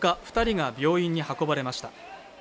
二人が病院に運ばれました